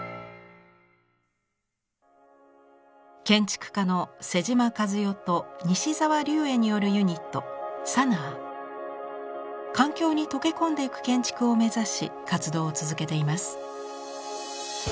建築家の妹島和世と西沢立衛によるユニット環境に溶け込んでいく建築を目指し活動を続けています。